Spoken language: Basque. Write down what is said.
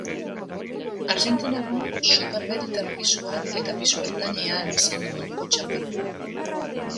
Arjentinarra, superwelter pisuan eta pisu ertainean izan da munduko txapelduna.